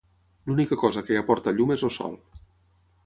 L'única cosa que hi aporta llum és el sol.